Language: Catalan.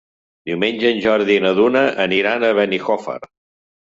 Diumenge en Jordi i na Duna aniran a Benijòfar.